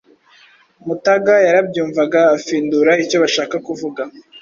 Mutaga yarabyumvaga afindura icyo bashaka kuvuga.